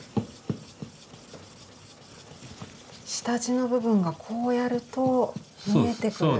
下地の部分がこうやると見えてくる。